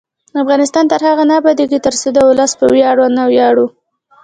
افغانستان تر هغو نه ابادیږي، ترڅو د ولس په ویاړ ونه ویاړو.